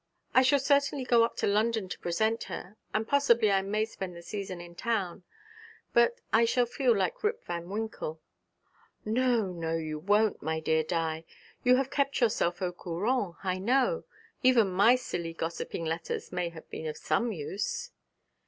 'I shall certainly go up to London to present her, and possibly I may spend the season in town; but I shall feel like Rip Van Winkle.' 'No, no, you won't, my dear Di. You have kept yourself au courant, I know. Even my silly gossiping letters may have been of some use.'